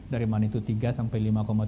dari manitou tiga sampai lima tujuh